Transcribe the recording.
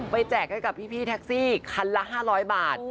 แจกให้กับพี่แท็กซี่คันละ๕๐๐บาท